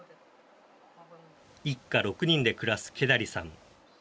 一家６人で暮らすケダリさん。